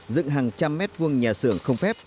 dựng hàng trăm mét vuông nhà xưởng không phép